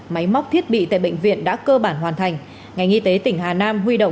máy móc thiết bị tại bệnh viện đã cơ bản hoàn thành